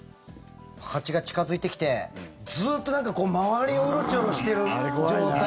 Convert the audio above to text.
蜂が近付いてきてずっと周りをうろちょろしている状態。